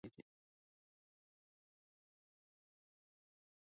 بوټونه د غره ختنې لپاره قوي جوړېږي.